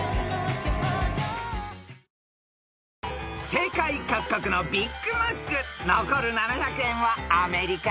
［世界各国のビッグマック残る７００円はアメリカ？